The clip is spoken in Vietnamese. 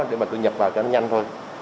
để mà tôi nhập vào cho nó nhanh thôi